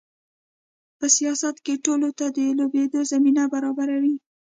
په سیاست کې ټولو ته د لوبېدو زمینه برابروي.